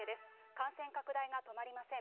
感染拡大が止まりません。